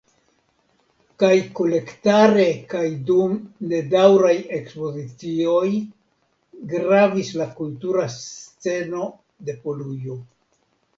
Kaj kolektare kaj dum nedaŭraj ekspozicioj gravis la kultura sceno de Polujo.